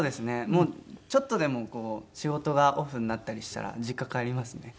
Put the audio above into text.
もうちょっとでも仕事がオフになったりしたら実家帰りますね。